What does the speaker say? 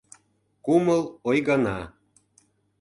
Кумыл ойгана.